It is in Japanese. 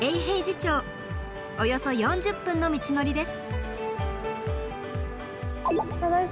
およそ４０分の道のりです。